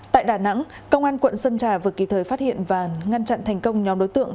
tại đà nẵng công an quận sơn trà vừa kịp thời phát hiện và ngăn chặn thành công nhóm đối tượng